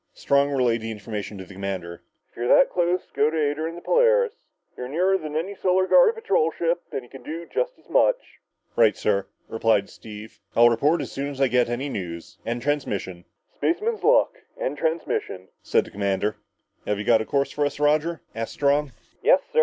Strong relayed the information to the commander. "If you're that close, go to her aid in the Polaris. You're nearer than any Solar Guard patrol ship and you can do just as much." "Right, sir," replied Steve. "I'll report as soon as I get any news. End transmission!" "Spaceman's luck, end transmission!" said the commander. "Have you got a course for us, Roger?" asked Strong.